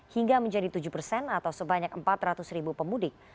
hingga menjadi tujuh persen atau sebanyak empat ratus ribu pemudik